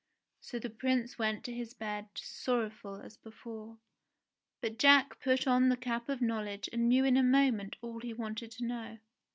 So the Prince went to his bed, sorrowful as before ; but Jack put on the cap of knowledge and knew in a moment all he wanted to know.